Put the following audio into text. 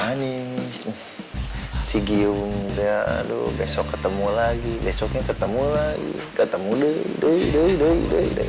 anis si gium aduh besok ketemu lagi besoknya ketemu lagi ketemu doi doi doi doi doi doi